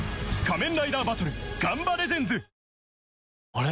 あれ？